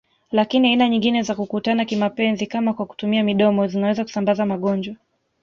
Lakini aina nyingine za kukutana kimapenzi kama kwa kutumia midomo zinaweza kusambaza magonjwa